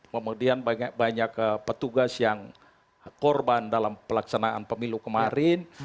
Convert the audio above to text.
kemudian banyak petugas yang korban dalam pelaksanaan pemilu kemarin